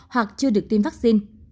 hoặc chưa được tiêm vaccine